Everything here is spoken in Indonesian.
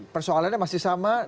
persoalannya masih sama